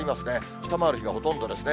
下回る日がほとんどですね。